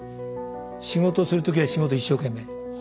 仕事するときは仕事一生懸命。